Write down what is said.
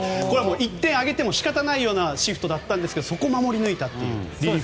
１点あげても仕方ないようなシフトだったんですけどそこを守り抜いたという。